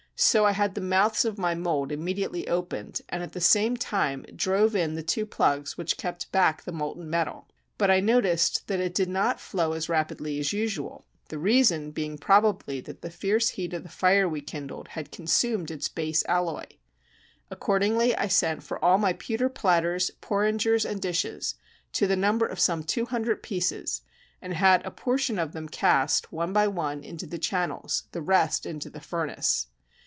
So I had the mouths of my mold immediately opened, and at the same time drove in the two plugs which kept back the molten metal. But I noticed that it did not flow as rapidly as usual, the reason being probably that the fierce heat of the fire we kindled had consumed its base alloy. Accordingly I sent for all my pewter platters, porringers, and dishes, to the number of some two hundred pieces, and had a portion of them cast, one by one, into the channels, the rest into the furnace.